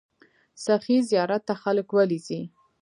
سخي زیارت ته خلک ولې ځي؟